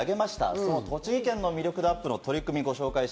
その栃木県の魅力度アップの取り組みです。